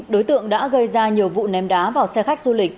đối tượng đã gây ra nhiều vụ ném đá vào xe khách du lịch